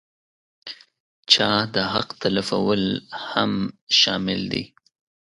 چا د حق تلفول هم شامل دي.